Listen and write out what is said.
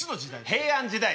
平安時代。